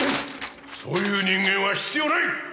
そういう人間は必要ない！